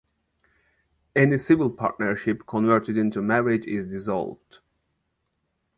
Any civil partnership converted into a marriage is dissolved.